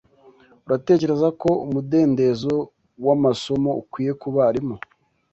Uratekereza ko umudendezo wamasomo ukwiye kubarimu